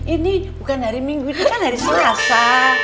ini bukan hari minggu itu kan hari selasa